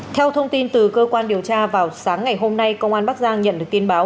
theo thông tin từ cơ quan điều tra vào sáng ngày hôm nay công an bắc giang nhận được tin báo